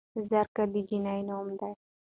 زرکه د جينۍ نوم دے